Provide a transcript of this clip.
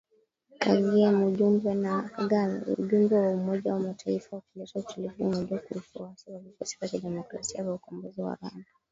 Kagame: Ujumbe wa Umoja wa Mataifa wa kuleta utulivu unajua kuhusu waasi wa Vikosi vya Kidemokrasia vya Ukombozi wa Rwanda.